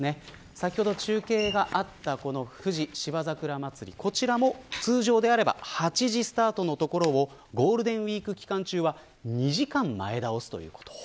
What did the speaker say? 先ほど中継があった富士芝桜まつり、こちらも通常なら８時スタートのところをゴールデンウイーク期間中は２時間前倒すということ。